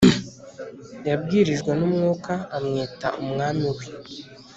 Yabwirijwe N Umwuka Amwita Umwami We